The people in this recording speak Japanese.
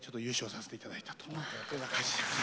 こんな感じです。